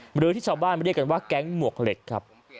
หรือที่ชาวบ้านเรียกกันว่าแก๊งหมวกเหล็กครับ